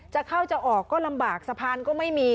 จะเข้าจะออกก็ลำบากสะพานก็ไม่มี